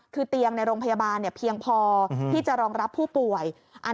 คือเตียงในโรงพยาบาลเพียงพอที่จะรองรับผู้ป่วย